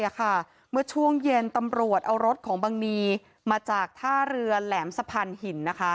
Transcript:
มาให้ได้อ่ะค่ะเมื่อช่วงเย็นตำรวจเอารถของบางนีมาจากท่าเรือแหลมสะพันหินนะคะ